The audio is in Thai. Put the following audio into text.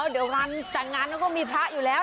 เดี๋ยวร้านางานมันก็มีพระอยู่แล้ว